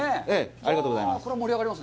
ありがとうございます。